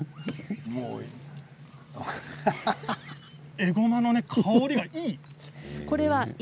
えごまの香りがいい。